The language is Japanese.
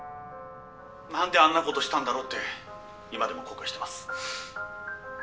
なんであんな事したんだろうって今でも後悔しています。